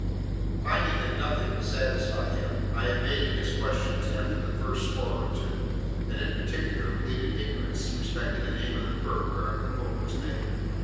Finding that nothing would satisfy him, I evaded his questions after the first score or two, and in particular pleaded ignorance respecting the name of the fur whereof the coat was made.